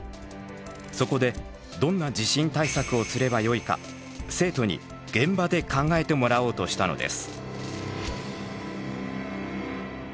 そこでどんな地震対策をすればよいか生徒に現場で考えてもらおうとしたのです。